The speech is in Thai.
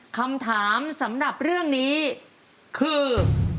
คำถามสำหรับเรื่องนี้คือ